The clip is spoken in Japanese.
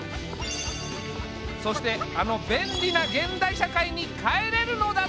そしてあの便利な現代社会に帰れるのだろうか？